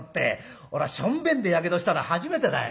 俺しょんべんでやけどしたの初めてだよ」。